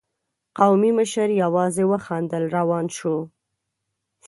قومي مشر يواځې وخندل، روان شو.